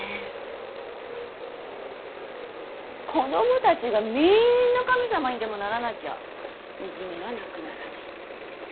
子供たちがみんな神様にでもならなきゃいじめはなくならない。